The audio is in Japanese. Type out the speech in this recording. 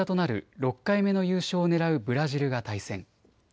６回目の優勝をねらうブラジルが対戦。